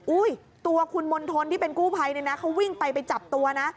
อุ๊ยตัวคุณมณฑลที่เป็นกู้ไพรนี่นะเขาวิ่งไปจับตัวนะ